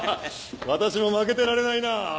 私も負けてられないなぁ。